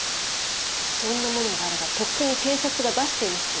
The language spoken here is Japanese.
そんなものがあればとっくに検察が出していますよ。